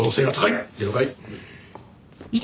了解。